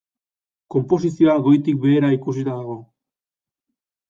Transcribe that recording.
Konposizioa goitik behera ikusita dago.